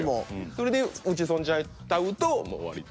それで打ち損じちゃうと終わり。